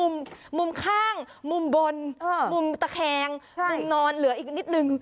มุมข้างมุมบนมุมตะแคงมุมนอนเหลืออีกนิดนึง